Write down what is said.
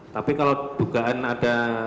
tapi kalau dugaan ada pembuluh darah pecah ya